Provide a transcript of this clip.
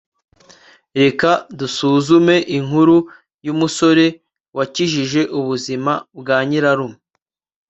reka dusuzume inkuru y umusore wakijije ubuzima bwa nyirarume